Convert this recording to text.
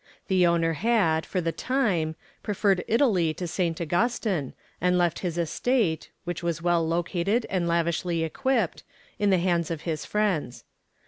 The owner had, for the time, preferred Italy to St. Augustine, and left his estate, which was well located and lavishly equipped, in the hands of his friends.